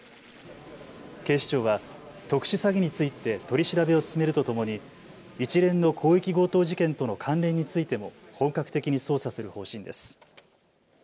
警視庁は特殊詐欺について取り調べを進めるとともに一連の広域強盗事件との関連についても本格的に捜査する方針です。